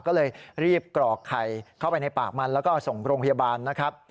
ก็เลยรีบกรอกไข่เข้าไปในปากมันแล้วก็ส่งโรงพยาบาลนะครับ